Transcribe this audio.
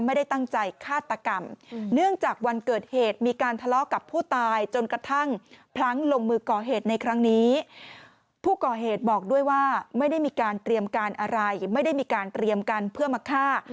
ไม่ได้มีการอะไรไม่ได้มีการเตรียมกันเพื่อมาฆ่า